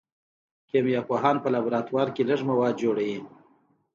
کیمیا پوهان په لابراتوار کې لږ مواد جوړوي.